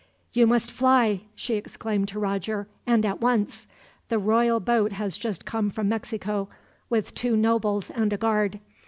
"You must fly," she exclaimed to Roger, "and at once. The royal boat has just come from Mexico, with two nobles and a guard.